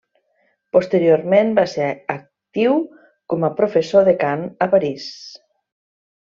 Posteriorment va ser actiu com a professor de cant a París.